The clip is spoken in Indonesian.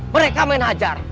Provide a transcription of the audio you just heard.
mereka main hajar